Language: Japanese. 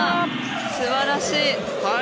すばらしい！